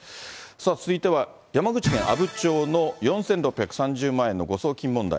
さあ、続いては山口県阿武町の４６３０万円の誤送金問題。